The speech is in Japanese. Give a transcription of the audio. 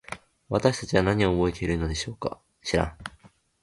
私たちは何を覚えているのでしょうか。